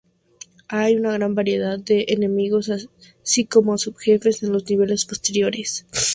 Hay una gran variedad de enemigos, así como sub-jefes en los niveles posteriores.